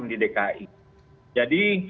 di dki jadi